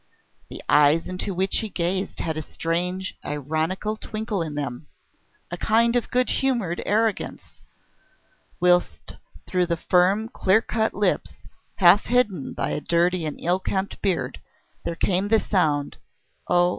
The eyes into which he gazed had a strange, ironical twinkle in them, a kind of good humoured arrogance, whilst through the firm, clear cut lips, half hidden by a dirty and ill kempt beard, there came the sound oh!